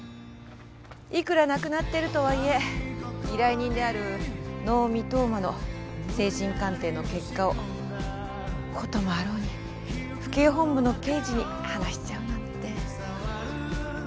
いくら亡くなっているとはいえ依頼人である能見冬馬の精神鑑定の結果を事もあろうに府警本部の刑事に話しちゃうなんて。